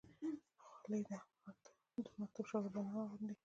خولۍ د مکتب شاګردان هم اغوندي.